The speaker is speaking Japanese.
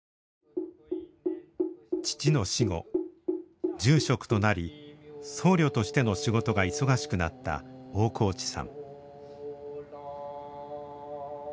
父の死後住職となり僧侶としての仕事が忙しくなった大河内さん。